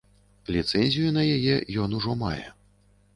Ліцэнзію на яе ён ужо мае.